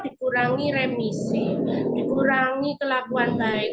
dikurangi remisi dikurangi kelakuan baik